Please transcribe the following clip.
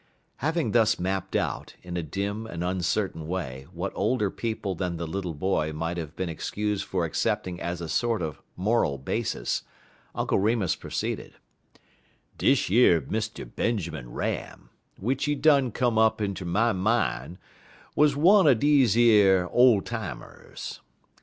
Having thus mapped out, in a dim and uncertain way, what older people than the little boy might have been excused for accepting as a sort of moral basis, Uncle Remus proceeded: "Dish yer Mr. Benjermun Ram, w'ich he done come up inter my min', wuz one er dezeyer ole timers.